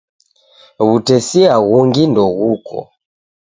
W'utesia ghungi ndeghuko.